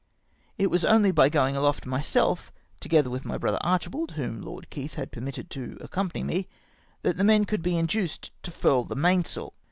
It was only by going aloft myself together with my brother Archibald, whom Lord Keith had permitted to accompany me, that the men could be induced to furl the mainsail.